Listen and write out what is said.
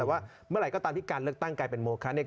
แต่ว่าเมื่อไหร่ก็ตามที่การเลือกตั้งกลายเป็นโมคะเนี่ย